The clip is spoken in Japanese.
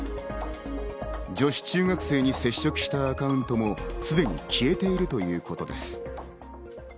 女子中学生に接触したアカウントもすでに消えているということです。